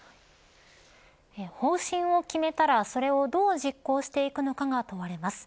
方針を決めたらそれをどう実行していくのかが問われます。